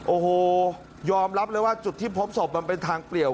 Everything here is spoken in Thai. โอ้โหยอมรับเลยว่าจุดที่พบศพมันเป็นทางเปลี่ยว